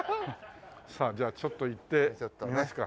さあじゃあちょっと行ってみますか。